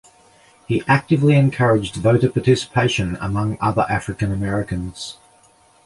He actively encouraged voter participation among other African Americans.